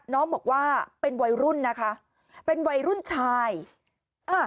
น้องบอกว่าเป็นวัยรุ่นนะคะเป็นวัยรุ่นชายอ่า